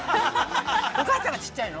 お母さんがちっちゃいの？